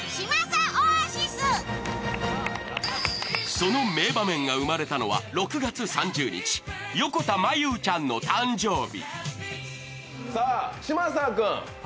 その名場面が生まれたのは６月３０日横田真悠ちゃんの誕生日。